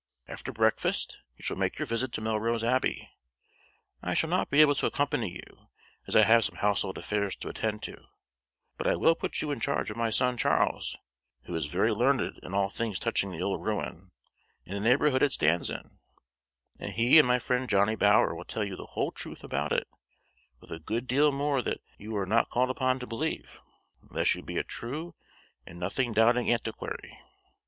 After breakfast you shall make your visit to Melrose Abbey; I shall not be able to accompany you, as I have some household affairs to attend to, but I will put you in charge of my son Charles, who is very learned in all things touching the old ruin and the neighborhood it stands in, and he and my friend Johnny Bower will tell you the whole truth about it, with a good deal more that you are not called upon to believe unless you be a true and nothing doubting antiquary.